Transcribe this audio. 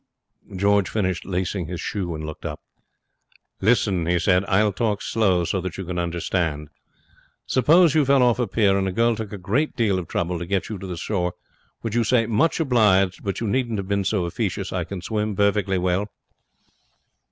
George finished lacing his shoe and looked up. 'Listen,' he said; 'I'll talk slow, so that you can understand. Suppose you fell off a pier, and a girl took a great deal of trouble to get you to the shore, would you say, "Much obliged, but you needn't have been so officious. I can swim perfectly well?"'